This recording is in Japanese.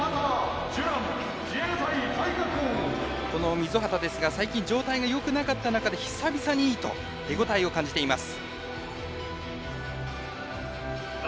溝畑ですが最近、状態がよくなかった中で久々にいいと手応えを感じています。